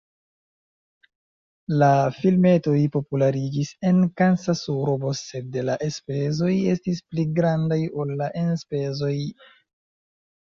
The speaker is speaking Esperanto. La filmetoj populariĝis en Kansasurbo sed la elspezoj estis pli grandaj ol la enspezoj.